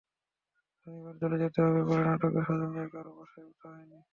শনিবার চলে যেতে হবে বলে নাটকের স্বজনদের কারও বাসায় ওঠা হয়নি।